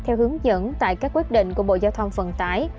theo hướng dẫn tại các quyết định của bộ giao thông vận tải